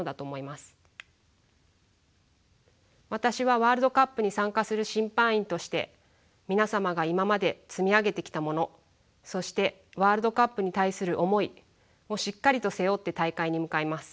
私はワールドカップに参加する審判員として皆様が今まで積み上げてきたものそしてワールドカップに対する思いをしっかりと背負って大会に向かいます。